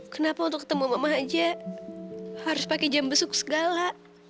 kenapa untuk ketemu emak emak aja harus pakai jam besuk segala